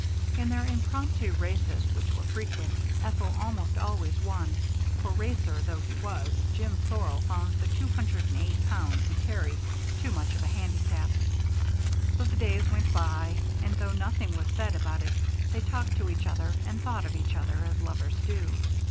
In their impromptu races, which were frequent, Ethel almost always won; for racer though he was, Jim's sorrel found the two hundred and eight pounds he carried too much of a handicap. So the days went by, and though nothing was said about it, they talked to each other, and thought of each other, as lovers do.